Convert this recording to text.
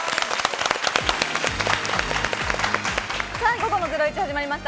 午後の『ゼロイチ』始まりました。